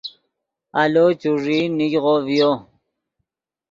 آلو چوݱیئی نیگغو ڤیو